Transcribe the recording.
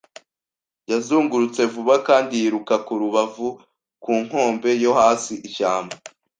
yazungurutse vuba kandi yiruka ku rubavu ku nkombe yo hasi, ishyamba.